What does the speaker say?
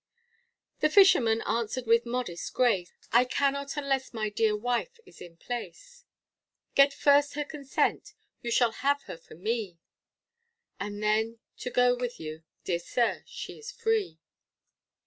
The fisherman answered with modest grace, I cannot unless my dear wife is in place; Get first her consent you shall have her for me, And then to go with you, dear sir, she is free.